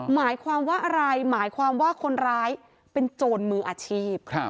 หมายความว่าอะไรหมายความว่าคนร้ายเป็นโจรมืออาชีพ